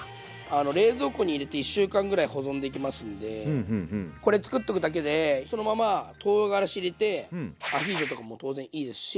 冷蔵庫に入れて１週間ぐらい保存できますんでこれ作っとくだけでそのままとうがらし入れてアヒージョとかも当然いいですし。